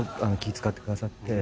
使ってくださって。